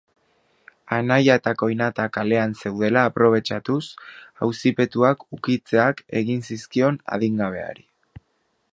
Anaia eta koinata kalean zeudela aprobetxatuz, auzipetuak ukitzeak egin zizkion adingabeari.